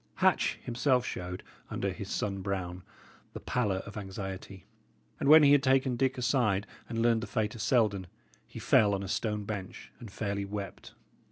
Hatch himself showed, under his sun brown, the pallour of anxiety; and when he had taken Dick aside and learned the fate of Selden, he fell on a stone bench and fairly wept.